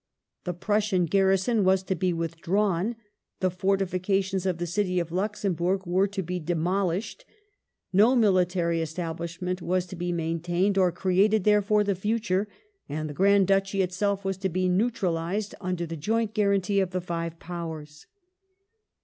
The Prussian garrison was to be withdrawn ; the fortifications of the city of Luxemburg were to be demolished ; no military establishment was to be maintained or created there for the future, and the Grand Duchy itself was to be neutralized under the j oint guarantee of the five Powers.